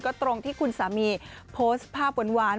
ตรงที่คุณสามีโพสต์ภาพหวาน